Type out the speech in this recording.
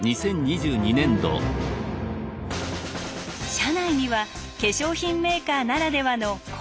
社内には化粧品メーカーならではのこんな場所も。